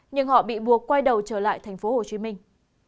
nhưng họ bị buộc quay đầu trở lại thành phố hồ chí minh